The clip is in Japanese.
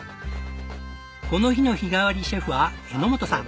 この日の日替わりシェフは榎本さん。